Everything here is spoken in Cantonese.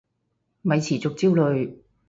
咪持續焦慮